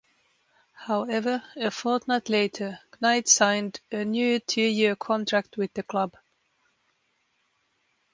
However, a fortnight later, Knight signed a new two-year contract with the club.